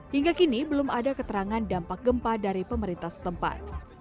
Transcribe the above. hingga kini belum ada keterangan dampak gempa dari pemerintah setempat